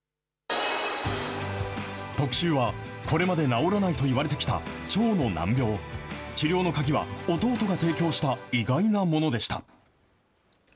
特集はこれまで治らないと言われてきた腸の難病、治療の鍵は弟が提供した意外なものでした。